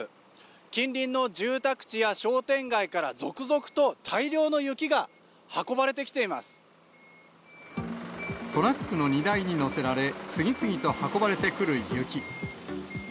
近隣の住宅地や商店街から、続々と、大量の雪が運ばれてきてトラックの荷台に載せられ、次々と運ばれてくる雪。